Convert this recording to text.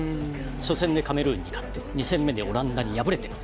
初戦でカメルーンに勝って２戦目でオランダに敗れている。